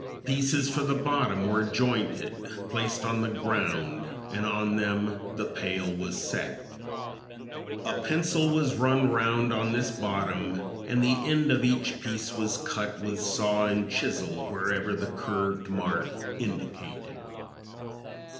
Pieces for the bottom were jointed, placed on the ground and on them the pail was set. A pencil was run round on this bottom and the end of each piece was cut with saw and chisel wherever the curved mark indicated.